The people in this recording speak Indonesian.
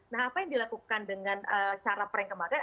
nah apa yang dilakukan dengan cara prank kemarin